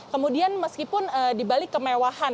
kemudian meskipun dibalik kemewahan